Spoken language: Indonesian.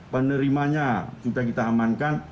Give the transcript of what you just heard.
penerimanya sudah kita amankan